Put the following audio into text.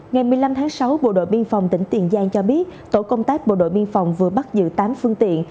ngày một mươi năm tháng sáu bộ đội biên phòng tỉnh tiền giang cho biết tổ công tác bộ đội biên phòng vừa bắt giữ tám phương tiện